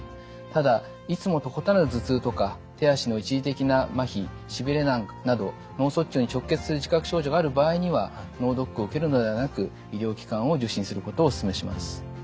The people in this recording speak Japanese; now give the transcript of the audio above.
ただいつもと異なる頭痛とか手足の一時的なまひしびれなど脳卒中に直結する自覚症状がある場合には脳ドックを受けるのではなく医療機関を受診することをおすすめします。